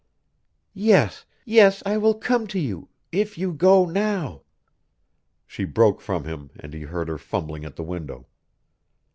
"Yes, yes, I will come to you if you go now." She broke from him and he heard her fumbling at the window.